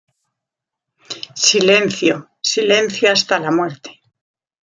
Silencio, silencio, hasta la muerte.